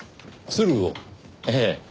ええ。